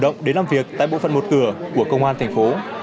công an tp vinh đã tự động đến làm việc tại bộ phận một cửa của công an tp